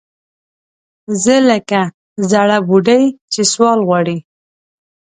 زه لکه زَړه بوډۍ چې سوال غواړي